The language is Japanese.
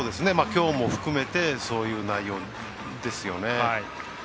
きょうも含めてそういう内容ですよね。